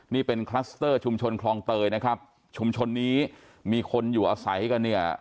นี่เป็นคลัสเตอร์ชุมชนคลองเตยนะครับชุมชนนี้มีคนอยู่อาศัยกันเนี่ย